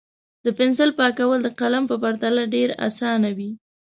د پنسل پاکول د قلم په پرتله ډېر اسانه وي.